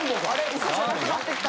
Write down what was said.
ウソじゃなくなってきた。